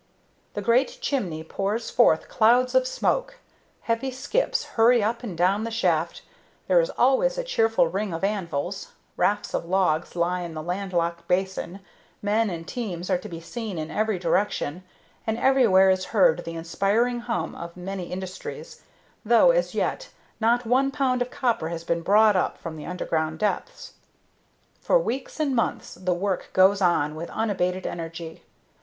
The great chimney pours forth clouds of smoke, heavy skips hurry up and down the shaft, there is always a cheerful ring of anvils, rafts of logs lie in the land locked basin, men and teams are to be seen in every direction, and everywhere is heard the inspiring hum of many industries, though as yet not one pound of copper has been brought up from the underground depths. For weeks and months the work goes on with unabated energy.